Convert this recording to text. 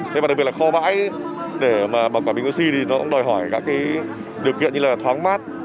thế mà đặc biệt là kho bãi để bảo quản bình oxy thì nó cũng đòi hỏi các điều kiện như là thoáng mát